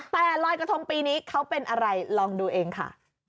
แต่ลอยกระทงปีนี้เขาเป็นอะไรลองดูเองค่ะ